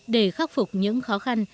để khắc phục những khó khăn